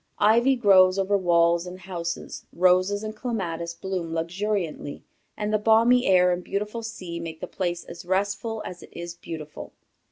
Ivy grows over walls and houses, roses and clematis bloom luxuriantly, and the balmy air and beautiful sea make the place as restful as it is beautiful.